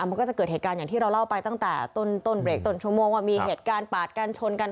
มันก็จะเกิดเหตุการณ์อย่างที่เราเล่าไปตั้งแต่ต้นเบรกต้นชั่วโมงว่ามีเหตุการณ์ปาดกันชนกัน